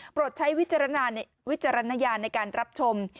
ใช้วิจารณญาณในการรับชม